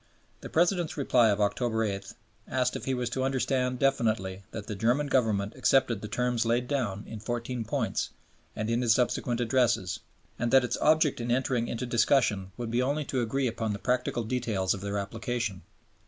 The President's reply of October 8 asked if he was to understand definitely that the German Government accepted "the terms laid down" in Fourteen Points and in his subsequent Addresses and "that its object in entering into discussion would be only to agree upon the practical details of their application."